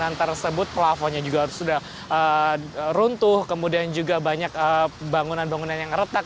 bangunan tersebut pelafonnya juga sudah runtuh kemudian juga banyak bangunan bangunan yang retak